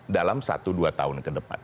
dalam satu dua tahun ke depan